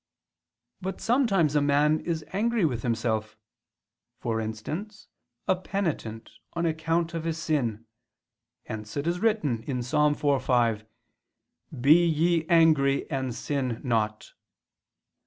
But sometimes a man is angry with himself; for instance, a penitent, on account of his sin; hence it is written (Ps. 4:5): "Be ye angry and sin not."